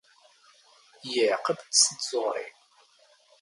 ⵢⵉⵄⵇⴱ ⴷ ⵙ ⵜⵥⵓⵕⵉ.